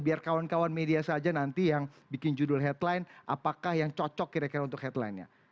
biar kawan kawan media saja nanti yang bikin judul headline apakah yang cocok kira kira untuk headline nya